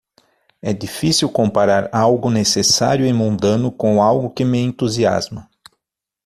É difícil comparar algo necessário e mundano com algo que me entusiasma.